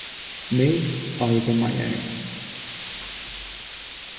Me, I was on my own.